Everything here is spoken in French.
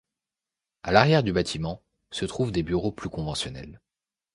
À l'arrière du bâtiment se trouve des bureaux plus conventionnels.